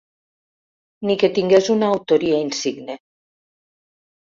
Ni que tingués una autoria insigne.